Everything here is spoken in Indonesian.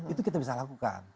itu kita bisa lakukan